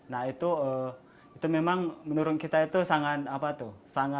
nah itu memang menurut kita itu sangat apa tuh